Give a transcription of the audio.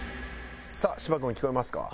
さあ芝君聞こえますか？